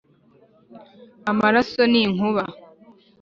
amaraso n'inkuba